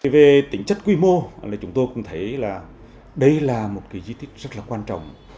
về tính chất quy mô chúng tôi cũng thấy đây là một di tích rất quan trọng